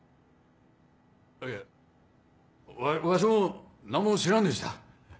いえわしも何も知らんでした。